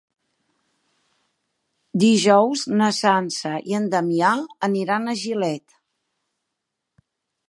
Dijous na Sança i en Damià aniran a Gilet.